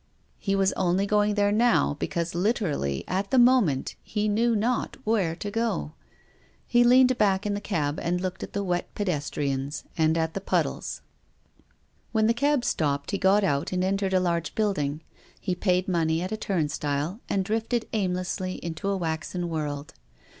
He was only going there now because literally, at the moment, he knew not where to go. He leaned back in the cab and looked at the wet pedestrians, and at the puddles. When the cab stopped he got out and entered a large building. He paid money at a turnstile and drifted aimlessly into a waxen world.